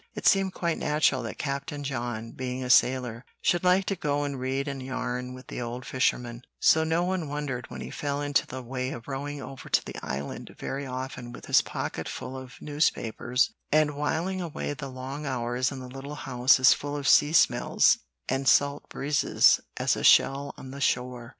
It seemed quite natural that Captain John, being a sailor, should like to go and read and "yarn" with the old fisherman; so no one wondered when he fell into the way of rowing over to the Island very often with his pocket full of newspapers, and whiling away the long hours in the little house as full of sea smells and salt breezes as a shell on the shore.